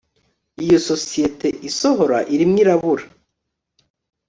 Iyo sosiyete isohora iri mwirabura